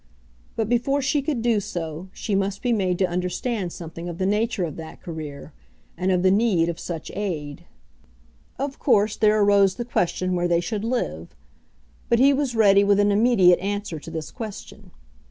But before she could do so she must be made to understand something of the nature of that career, and of the need of such aid. Of course there arose the question where they should live. But he was ready with an immediate answer to this question.